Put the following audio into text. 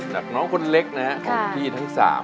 จากน้องคนเล็กนะครับของพี่ทั้ง๓